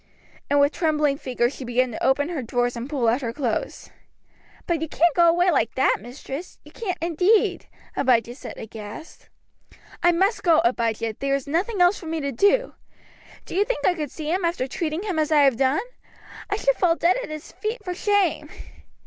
And with trembling fingers she began to open her drawers and pull out her clothes. "But you can't go away like that, mistress. You can't, indeed," Abijah said, aghast. "I must go, Abijah. There is nothing else for me to do. Do you think I could see him after treating him as I have done? I should fall dead at his feet for shame."